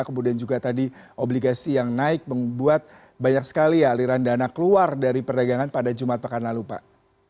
kemudian juga tadi obligasi yang naik membuat banyak sekali aliran dana keluar dari perdagangan pada jumat pekan lalu pak